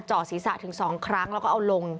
ศีรษะถึง๒ครั้งแล้วก็เอาลง